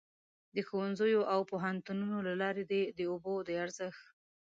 د ښوونځیو او پوهنتونونو له لارې دې د اوبو د ارزښت.